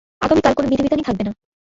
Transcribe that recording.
আগামীকাল কোন বিধি-বিধানই থাকবে না।